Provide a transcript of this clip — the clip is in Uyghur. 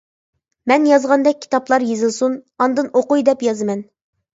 مەن يازغاندەك كىتابلار يېزىلسۇن، ئاندىن ئوقۇي دەپ يازىمەن.